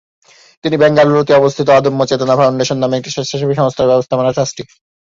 তিনি বেঙ্গালুরুতে অবস্থিত অদম্য চেতনা ফাউন্ডেশন নামের একটি স্বেচ্ছাসেবী সংস্থার ব্যবস্থাপনা ট্রাস্টি।